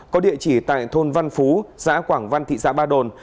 có địa chỉ tại thôn văn phú xã quảng văn thị xã ba đồn